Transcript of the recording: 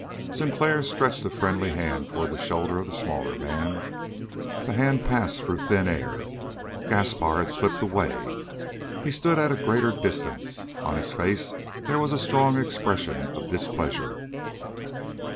Sinclair stretched a friendly hand toward the shoulder of the smaller man. The hand passed through thin air. Gaspar had slipped away. He stood at a greater distance. On his face there was a strong expression of displeasure.